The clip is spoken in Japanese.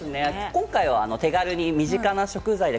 今回は手軽に身近な食材で